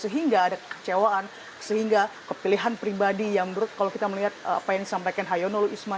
sehingga ada kecewaan sehingga kepilihan pribadi yang menurut kalau kita melihat apa yang disampaikan hayonolu isma